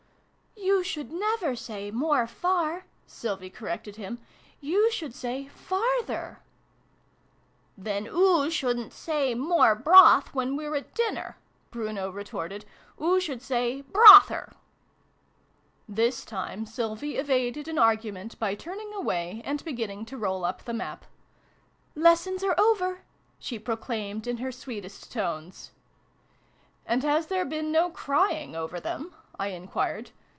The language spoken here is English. "You should never say 'more far,'" Sylvie corrected him :" you should say 'farther' '" Then oo shouldn't say ' more broth,' when we're at dinner," Bruno retorted :" oo should say ' brother ' I " This time Sylvie evaded an argument by turning away, and beginning to roll up the Map. " Lessons are over !" she proclaimed in her sweetest tones. " And has there been no crying over them ?" I enquired.